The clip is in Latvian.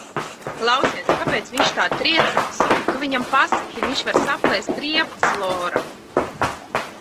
Klausies, kāpēc viņš tā triecās? Tu viņam pasaki, viņš var saplēst riepas, Lora!